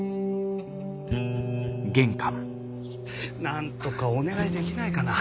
なんとかお願いできないかな。